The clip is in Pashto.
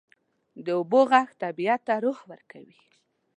د اوبو ږغ طبیعت ته روح ورکوي.